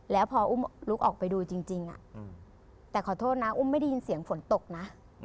แล้วพออุ้มลุกออกไปดูจริงแต่ขอโทษนะอุ้มไม่ได้ยินเสียงฝนตกนะ